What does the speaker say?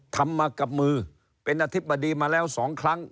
ทำมากับมือเป็นอธิบดีมาแล้ว๒ครั้ง